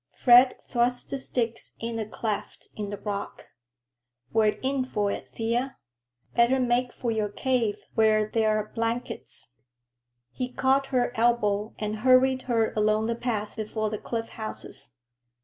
Fred thrust the sticks in a cleft in the rock. "We're in for it, Thea. Better make for your cave where there are blankets." He caught her elbow and hurried her along the path before the cliff houses.